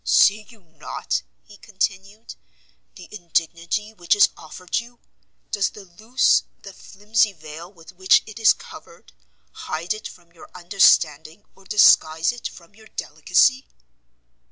"See you not," he continued, "the indignity which is offered you? Does the loose, the flimsy veil with which it is covered, hide it from your understanding, or disguise it from your delicacy?"